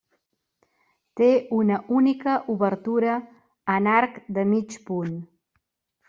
Té una única obertura en arc de mig punt.